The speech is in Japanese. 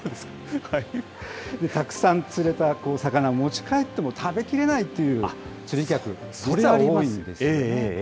たくさん釣れた魚を持ち帰っても食べきれないという釣り客、実は多いんですよね。